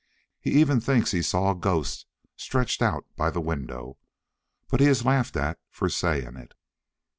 He even thinks he saw a ghost stretched out by the window. But he is laughed at for saying it.